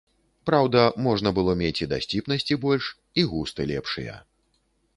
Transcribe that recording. Праўда, можна было мець і дасціпнасці больш, і густы лепшыя.